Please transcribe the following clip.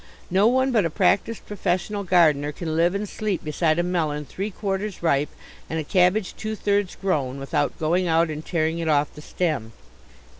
No one but a practised professional gardener can live and sleep beside a melon three quarters ripe and a cabbage two thirds grown without going out and tearing it off the stem.